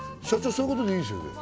そういうことでいいんすよね？